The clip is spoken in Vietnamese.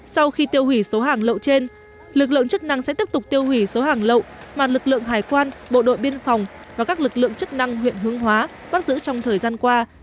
sau khi tiêu hủy số hàng lậu trên lực lượng chức năng sẽ tiếp tục tiêu hủy số hàng lậu mà lực lượng hải quan bộ đội biên phòng và các lực lượng chức năng huyện hương hóa bắt giữ trong thời gian qua